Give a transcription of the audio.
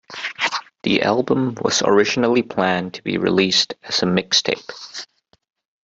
The album was originally planned to be released as a mixtape.